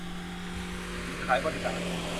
หญิงขายบริการ